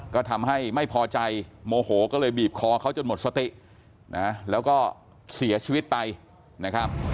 ก็ทำให้ไม่พอใจโมโหก็เลยบีบคอเขาจนหมดสตินะแล้วก็เสียชีวิตไปนะครับ